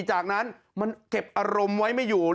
จากนั้นมันเก็บอารมณ์ไว้ไม่อยู่